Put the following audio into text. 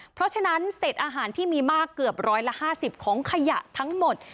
เพราะฉะนั้นเศษอาหารที่มีมากเกือบร้อยละ๕๐ของขยะทั้งหมด